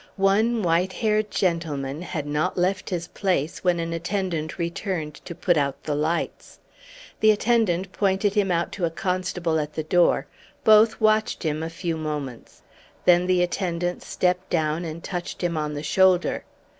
One white haired gentleman had not left his place when an attendant returned to put out the lights. The attendant pointed him out to a constable at the door; both watched him a few moments. Then the attendant stepped down and touched him on the shoulder.